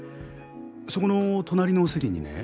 そこの隣の席にね。